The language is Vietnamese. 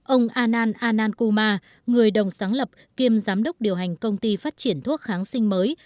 ông anand anand kumar người đồng sáng lập kiêm giám đốc điều hành công ty phát triển thuốc kháng sinh mới